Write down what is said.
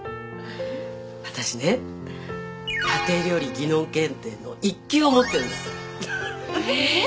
私ね家庭料理技能検定の１級を持ってるんですええっ！